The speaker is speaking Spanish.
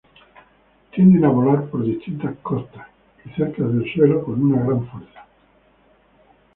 Tienden a volar por distancias cortas y cerca del suelo con una gran fuerza.